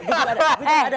gue juga ada